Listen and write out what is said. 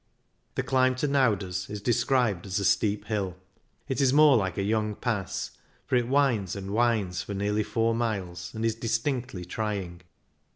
The climb to Nauders is described as a steep hill ; it is more like a young pass, for it winds and winds for nearly four miles and is distinctly trying.